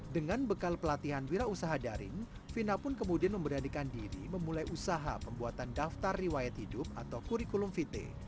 dengan bekal pelatihan wira usaha daring vina pun kemudian memberanikan diri memulai usaha pembuatan daftar riwayat hidup atau kurikulum vt